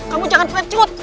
kamu jangan pencut